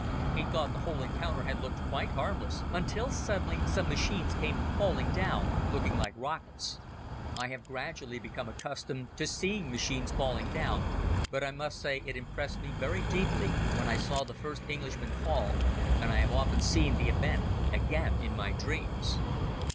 He thought the whole encounter had looked quite harmless until suddenly some machines came falling down looking like rockets. I have gradually become accustomed to seeing machines falling down, but I must say it impressed me very deeply when I saw the first Englishman fall and I have often seen the event again in my dreams.